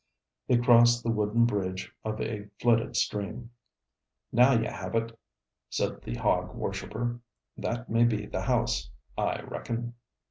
They crossed the wooden bridge of a flooded stream. 'Now ye have it,' said the hog worshipper; 'that may be the house, I reckon.'